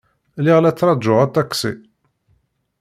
Lliɣ la ttṛajuɣ aṭaksi.